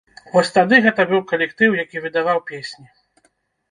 Вось тады гэта быў калектыў, які выдаваў песні!